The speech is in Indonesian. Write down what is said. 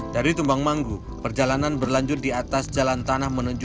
dari tumang manggu perjalanan berlanjut di atas jalan yang berakhir di tumang manggu